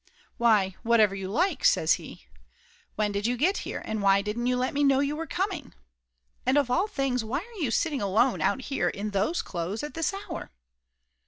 "Why whatever you like!" says he. "When did you get here and why didn't you let me know you were coming? And of all things, why are you sitting alone out here in those clothes at this hour?"